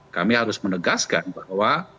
kami harus menegaskan bahwa